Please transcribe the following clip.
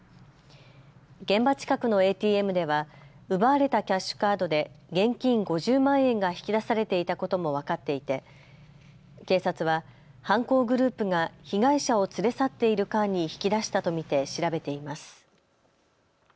現場近くのＡＴＭでは奪われたキャッシュカードで現金５０万円が引き出されていたことも分かっていて警察は犯行グループが被害者を連れ去っている間に引き出したと見て調べています。